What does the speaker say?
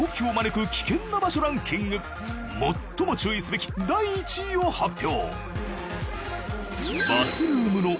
最も注意すべき第１位を発表